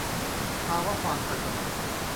สภาวะความทันสมัย